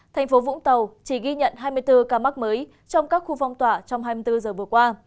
thành phố vũng tàu chỉ ghi nhận hai mươi bốn ca mắc mới trong các khu phong tỏa trong hai mươi bốn giờ vừa qua